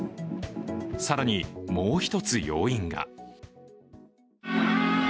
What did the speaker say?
更に、もう一つ要因が。